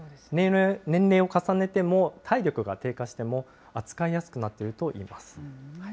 年齢を重ねても体力が低下しても扱いやすくなっているといいます。